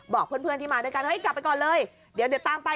บอกเพื่อนที่มาด้วยกันเฮ้ยกลับไปก่อนเลยเดี๋ยวตามไป